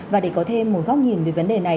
và để có thêm một góc nhìn về vấn đề này